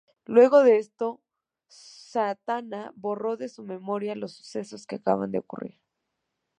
Luego de esto Zatanna borró de su memoria los sucesos que acababan de ocurrir.